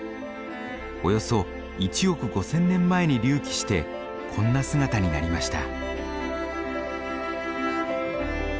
およそ１億５，０００年前に隆起してこんな姿になりました。